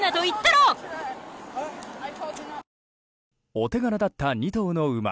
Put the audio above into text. お手柄だった２頭の馬。